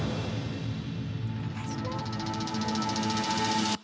お願いします。